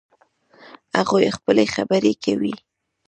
هغوی خپلې خبرې کوي